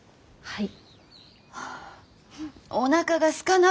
はい。